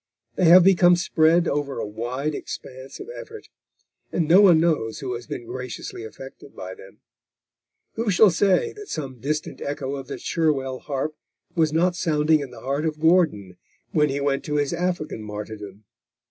They have become spread over a wide expanse of effort, and no one knows who has been graciously affected by them. Who shall say that some distant echo of the Cherwell harp was not sounding in the heart of Gordon when he went to his African martyrdom?